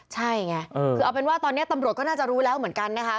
ใช่ไงคือเอาเป็นว่าตอนนี้ตำรวจก็น่าจะรู้แล้วเหมือนกันนะคะ